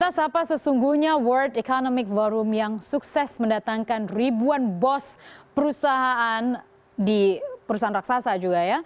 kita sapa sesungguhnya world economic forum yang sukses mendatangkan ribuan bos perusahaan di perusahaan raksasa juga ya